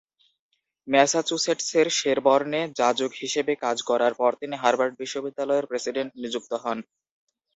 ম্যাসাচুসেটসের শেরবর্নে যাজক হিসেবে কাজ করার পর তিনি হার্ভার্ড বিশ্ববিদ্যালয়ের প্রেসিডেন্ট নিযুক্ত হন।